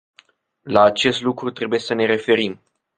La acest lucru trebuie să ne referim.